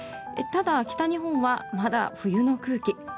ただ、北日本はまだ冬の空気。